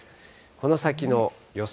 この先の予想